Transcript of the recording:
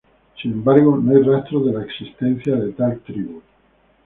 Sin embargo, no hay rastros de la existencia de tal tribu.